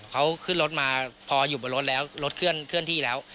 เขาขึ้นรถมาพออยู่ในรถเขื่อนที่แล้ว